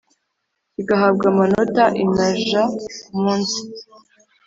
kigahabwa amanota inaja ku munsi